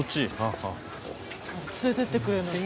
連れてってくれるの？